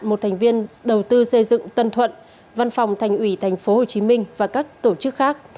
một thành viên đầu tư xây dựng tân thuận văn phòng thành ủy tp hcm và các tổ chức khác